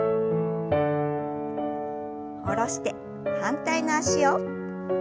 下ろして反対の脚を。